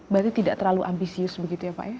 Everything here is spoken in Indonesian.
berarti tidak terlalu ambisius begitu ya pak ya